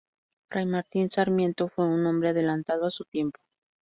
Fray Martín Sarmiento fue un hombre adelantado a su tiempo.